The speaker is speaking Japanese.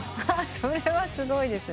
それはすごいですね。